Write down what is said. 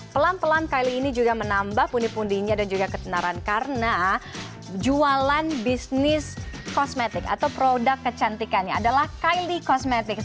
pelan pelan kyli ini juga menambah pundi pundinya dan juga ketenaran karena jualan bisnis kosmetik atau produk kecantikannya adalah kylie kosmetik